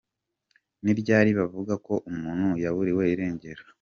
Ni ryari bavuga ko umuntu yaburiwe irengero ?